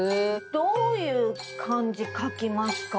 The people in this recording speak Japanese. どういう漢字書きますか？